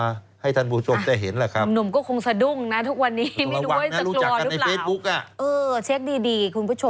จับรวรรดิหรือเปล่าเออเช็คดีคุณผู้ชม